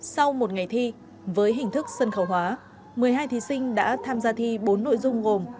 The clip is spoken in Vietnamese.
sau một ngày thi với hình thức sân khấu hóa một mươi hai thí sinh đã tham gia thi bốn nội dung gồm